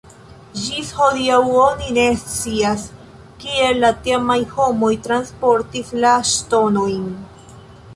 Ĝis hodiaŭ oni ne scias, kiel la tiamaj homoj transportis la ŝtonojn.